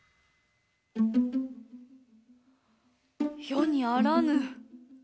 世に在らぬ。